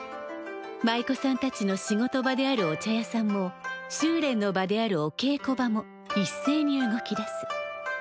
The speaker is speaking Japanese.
舞妓さんたちの仕事場であるお茶屋さんも修練の場であるおけいこ場も一斉に動き出す。